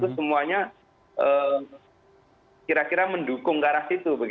semuanya kira kira mendukung ke arah situ